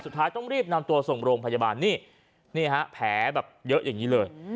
สุดท้ายต้องรีบนำตัวส่งโรงพยาบาลนี่ฮะแผลแบบเยอะอย่างนี้เลย